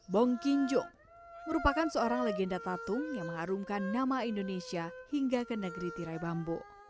bong kinjung merupakan seorang legenda tatung yang mengharumkan nama indonesia hingga ke negeri tirai bambu